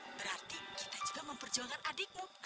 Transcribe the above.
berarti kita juga memperjuangkan adikmu